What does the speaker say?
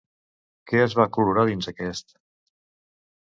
Què es va colorar dins aquest?